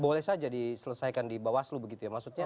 boleh saja diselesaikan di bawaslu begitu ya maksudnya